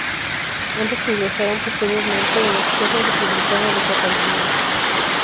Ambos ingresaron posteriormente en Esquerra Republicana de Catalunya.